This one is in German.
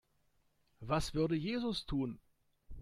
Was würde Jesus tun?